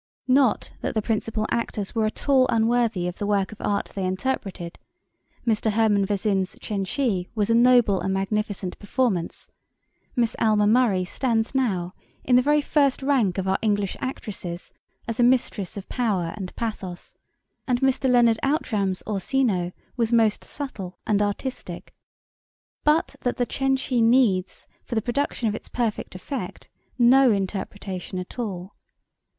Not that the principal actors were at all unworthy of the work of art they interpreted; Mr. Hermann Vezin's Cenci was a noble and magnificent performance; Miss Alma Murray stands now in the very first rank of our English actresses as a mistress of power and pathos; and Mr. Leonard Outram's Orsino was most subtle and artistic; but that The Cenci needs for the production of its perfect effect no interpretation at all.